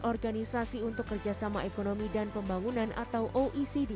organisasi untuk kerjasama ekonomi dan pembangunan atau oecd